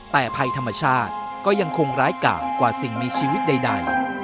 แต่ภัยธรรมชาติก็ยังคงร้ายกะกว่าสิ่งมีชีวิตใด